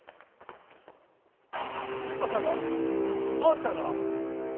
まさかあんたが！？